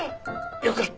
よかった！